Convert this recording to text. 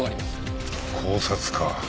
絞殺か。